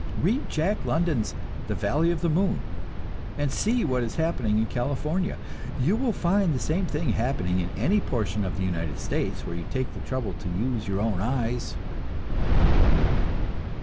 Read Jack London's "The Valley of the Moon" and see what is happening in California. You will find the same thing happening in any portion of the United States where you take the trouble to use your own eyes.